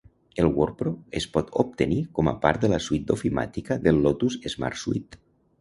El Word Pro es pot obtenir com a part de la suite d'oficina del Lotus SmartSuite.